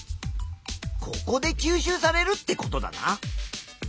ここで吸収されるってことだな。